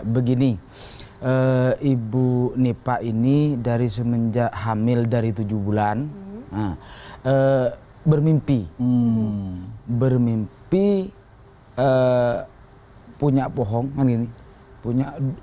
begini ibu nipah ini dari semenjak hamil dari tujuh bulan bermimpi mimpi punya pohong ini punya